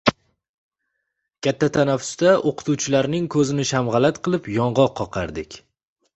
Katta tanaffusda o‘qituvchilarning ko‘zini shamg‘alat qilib, yong‘oq qoqardik.